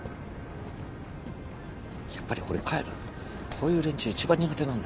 やっぱり俺帰るこういう連中一番苦手なんだ。